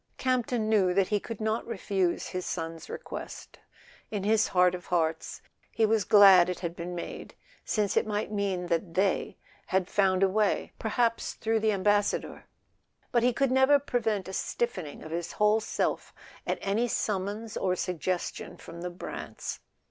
Campton knew that he could not refuse his son's request; in his heart of hearts he was glad it had been A SON AT THE FRONT made, since it might mean that "they" had found a way—perhaps through the Ambassador. But he could never prevent a stiffening of his whole self at any summons or suggestion from the Brants.